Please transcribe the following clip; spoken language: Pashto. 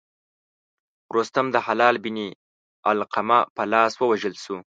رستم د هلال بن علقمه په لاس ووژل شو.